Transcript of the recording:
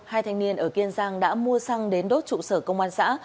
hai thanh niên ở kiên giang đã mua xăng đến đốt trụ sở công an xã